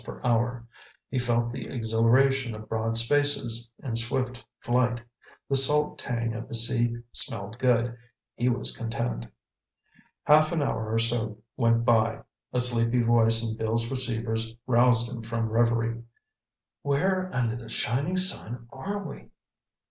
P.H. He felt the exhilaration of broad spaces and swift flight. The salt tang of the sea smelled good. He was content. Half an hour or so went by. A sleepy voice in Bill's receivers roused him from revery. "Where under the shining sun are we?"